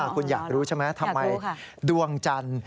คุณอยากรู้ใช่ไหมทำไมดวงจันทร์